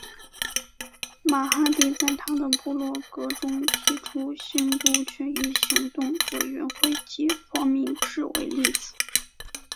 马哈迪在他的部落格中提出兴都权益行动委员会及黄明志为例子。